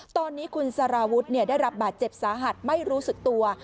ตอนนี้คุณสารวุฒิได้รับบาดเจ็บสาหัสไม่รู้สึกตัว